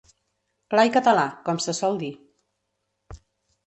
Clar i català, com se sol dir.